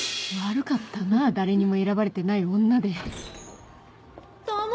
悪かったな誰にも選ばれてない女で